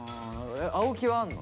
青木はあんの？